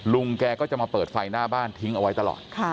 ลุงแกก็จะมาเปิดไฟหน้าบ้านทิ้งเอาไว้ตลอด